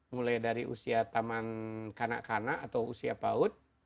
mulai dari usia taman kanak kanak atau usia paut